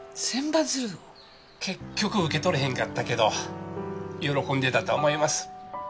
結局受け取れへんかったけど喜んでたと思います。